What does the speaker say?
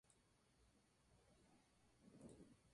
Se ha observado una disminución en el índice de morosidad.